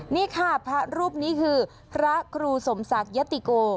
นี่ค่ะพระรูปนี้คือพระครูสมศักดิยติโก